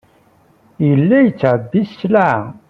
Yella yettɛebbi sselɛa.